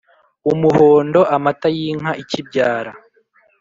umuhondo amata y’inka ikibyara